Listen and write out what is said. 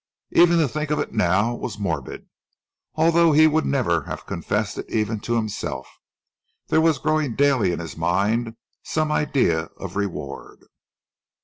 Even to think of it now was morbid. Although he would never have confessed it even to himself, there was growing daily in his mind some idea of reward.